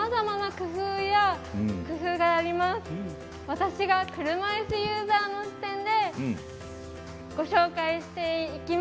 私が車いすユーザーの視点でご紹介していきます。